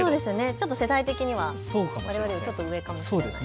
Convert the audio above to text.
ちょっと世代的にはわれわれよりちょっと上かもしれないです。